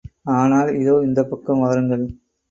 ஆனால் இதோ, இந்தப் பக்கம் வாருங்கள்.